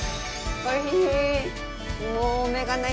おいしい！